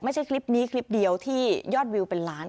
คลิปนี้คลิปเดียวที่ยอดวิวเป็นล้าน